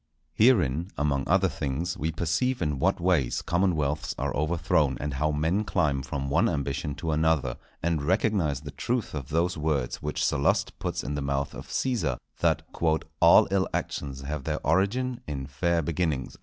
Herein, among other things, we perceive in what ways commonwealths are overthrown, and how men climb from one ambition to another; and recognize the truth of those words which Sallust puts in the mouth of Cæsar, that "_all ill actions have their origin in fair beginnings.